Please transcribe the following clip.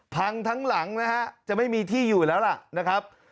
ทั้งหลังนะฮะจะไม่มีที่อยู่แล้วล่ะนะครับ